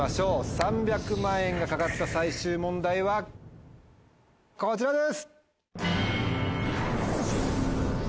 ３００万円が懸かった最終問題はこちらです。